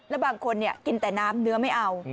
แล้วบางคนกินแต่น้ำเนื้อไม่เอา